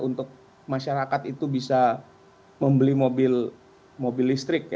untuk masyarakat itu bisa membeli mobil listrik